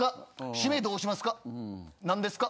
シメどうしますか？